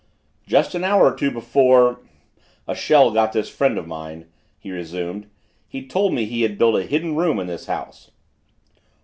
"Just an hour or two before a shell got this friend of mine," he resumed, "he told me he had built a hidden room in this house."